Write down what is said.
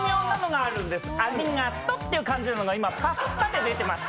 「ありがと」っていう感じが今、パッパで出てました。